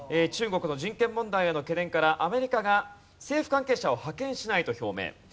中国の人権問題への懸念からアメリカが政府関係者を派遣しないと表明。